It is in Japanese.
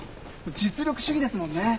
実力主義ですもんね。